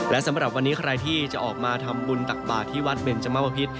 และสำหรับวันนี้ใครที่จะออกมาทำบุญตักบาทที่วัดเบนจมวพิษ